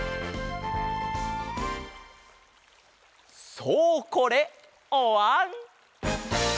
そうこれおわん！